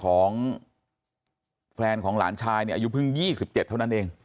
ของแฟนของหลานชายเนี่ยอายุเพิ่ง๒๗เท่านั้นเอง